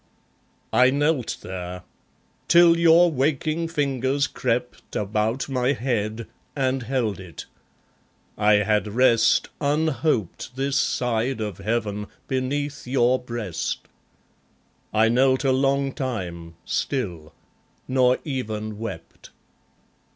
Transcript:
I knelt there; till your waking fingers crept About my head, and held it. I had rest Unhoped this side of Heaven, beneath your breast. I knelt a long time, still; nor even wept.